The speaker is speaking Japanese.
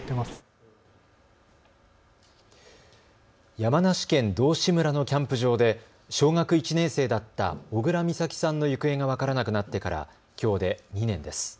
山梨県道志村のキャンプ場で小学１年生だった小倉美咲さんの行方が分からなくなってからきょうで２年です。